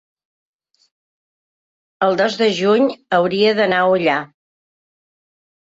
el dos de juny hauria d'anar a Ullà.